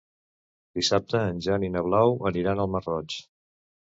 Dissabte en Jan i na Blau aniran al Masroig.